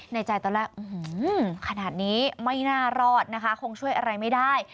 ในใจตอนแรกขนาดนี้ไม่น่ารอดนะคะคงช่วยอะไรไม่ได้